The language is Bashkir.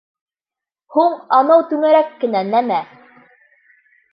Һуң, анау түңәрәк кенә нәмә!